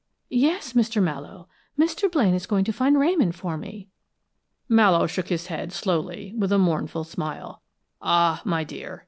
"Yes, Mr. Mallowe, Mr. Blaine is going to find Ramon for me!" Mallowe shook his head slowly, with a mournful smile. "Ah! my dear!"